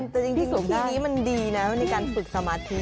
แต่จริงที่นี้มันดีนะในการฝึกสมาธิ